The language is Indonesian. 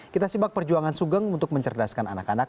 kita simak perjuangan sugeng untuk mencerdaskan anak anak